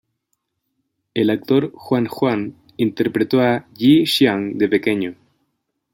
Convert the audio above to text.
El actor Juan Juan interpretó a Yi Xiang, de pequeño.